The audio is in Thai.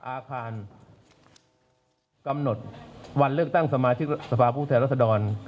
อาคารกำหนดวันเลือกตั้งสมาชิกสภาพผู้แทนรัศดร